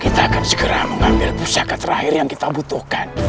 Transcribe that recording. kita akan segera mengambil pusaka terakhir yang kita butuhkan